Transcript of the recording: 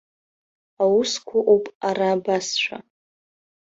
Аусқәа ыҟоуп ара абасшәа.